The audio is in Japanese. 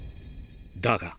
だが。